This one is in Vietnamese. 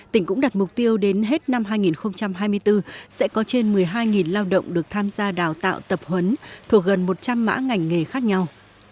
tỉnh cũng đặt mục tiêu đến hết năm hai nghìn hai mươi bốn sẽ có trên một mươi hai lao động được tham gia đào tạo tập huấn thuộc gần một trăm linh mã ngành nghề khác nhau